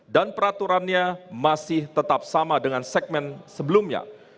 dan peraturannya masih tetap sama dengan segmen sebelumnya